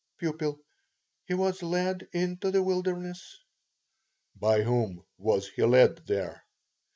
P. He was led into the wilderness. T. By whom was he led there?